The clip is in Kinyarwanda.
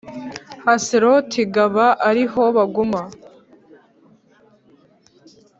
Haseroti g aba ari ho baguma